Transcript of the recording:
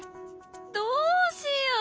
どうしよう！